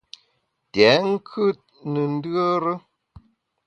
Tèt nkùt ne ndùere.